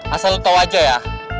asal tau aja ya